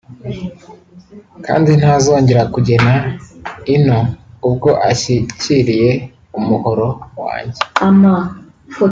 kandi ntazongera kugera ino ubwo ashyikiriye umuhoro wanjye